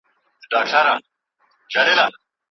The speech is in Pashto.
له پردیو به څه ژاړم له خپل قامه ګیله من یم